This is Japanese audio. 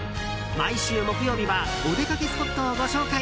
毎週木曜日はお出かけスポットをご紹介！